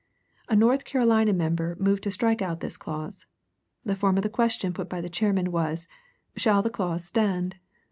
A North Carolina member moved to strike out this clause. The form of the question put by the chairman was, "Shall the clause stand?"